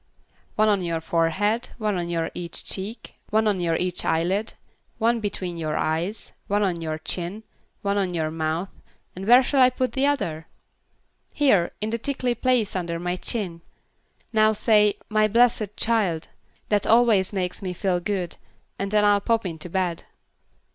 "One on your forehead; one on each cheek; one on each eyelid; one between the eyes; one on your chin; one on your mouth, and where shall I put the other?" "Here, in the tickley place under my chin. Now say 'my blessed child'; that always makes me feel good, and then I'll pop into bed."